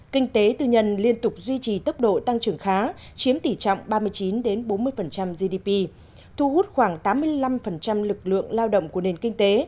kinh tế tư nhân liên tục duy trì tốc độ tăng trưởng khá chiếm tỷ trọng ba mươi chín bốn mươi gdp thu hút khoảng tám mươi năm lực lượng lao động của nền kinh tế